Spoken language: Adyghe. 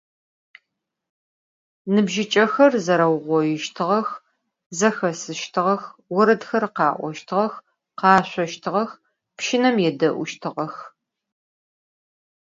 Nıbjıç'exer zereuğoiştığex, zexesıştığex, voredxer kha'oştığex, khaşsoştığex, pşınem yêde'uştığex.